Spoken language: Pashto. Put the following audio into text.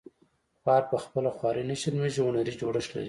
خوار په خپله خواري نه شرمیږي هنري جوړښت لري